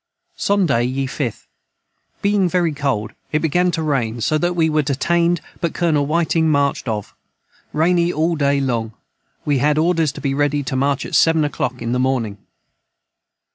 Sonday ye 5th. Being very cold it began to rain so that we were detained but Colonel Whiting Marched of rainy all day Long we had orders to be ready to march at 7 Oclock in the morning.